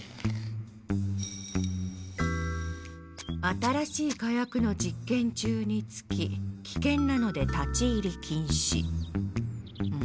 「新しい火薬の実験中につき危険なので立ち入り禁止」。